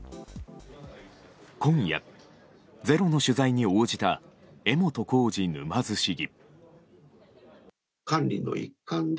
今夜、「ｚｅｒｏ」の取材に応じた江本浩二沼津市議。